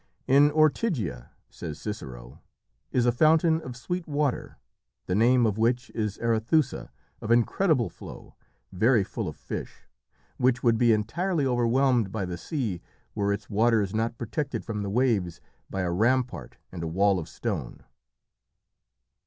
"In Ortygia," says Cicero, "is a fountain of sweet water, the name of which is Arethusa, of incredible flow, very full of fish, which would be entirely overwhelmed by the sea, were its waters not protected from the waves by a rampart and a wall of stone."